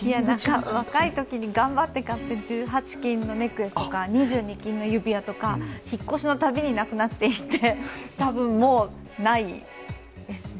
若いときに頑張って買って１８金のネックレスとか２２金の指輪とか引っ越しのたびになくなっていって、たぶんもう、ないですね。